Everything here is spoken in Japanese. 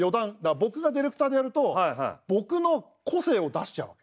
僕がディレクターでやると僕の個性を出しちゃうわけ。